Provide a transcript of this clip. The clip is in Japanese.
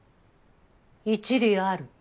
一理ある。